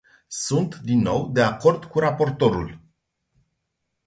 Sunt, din nou, de acord cu raportorul.